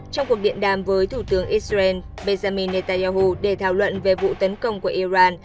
trong cuộc điện đàm với thủ tướng israel benjamin netanyahu để thảo luận về vụ tấn công của iran